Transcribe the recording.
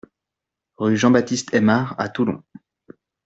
Rue Jean Baptiste Aimard à Toulon